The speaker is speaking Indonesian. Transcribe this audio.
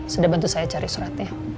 sudah bantu saya cari suratnya